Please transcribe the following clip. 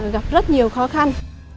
rất là khó khăn